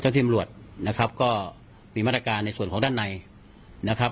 ทีมรวจนะครับก็มีมาตรการในส่วนของด้านในนะครับ